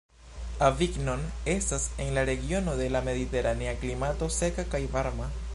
Avignon estas en la regiono de la mediteranea klimato, seka kaj varma.